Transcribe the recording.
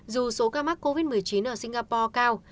dù số ca mắc covid một mươi chín ở singapore cao